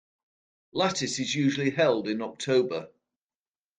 "Lattice" is usually held in October.